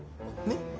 ねっ。